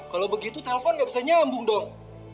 kalau begitu telpon gak bisa nyambung dong